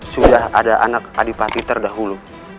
sudah ada anak adik pati terdahulu